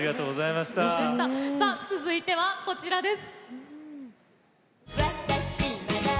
続いてはこちらです。